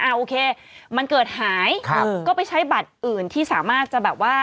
โอเคมันเกิดหายครับก็ไปใช้บัตรอื่นที่สามารถจะแบบว่า